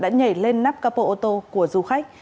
đã nhảy lên nắp capo ô tô của du khách